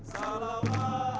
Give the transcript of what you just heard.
salam allah allah muhammad